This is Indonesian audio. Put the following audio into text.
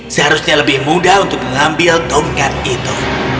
seharusnya lebih mudah untuk mengambil tongkat itu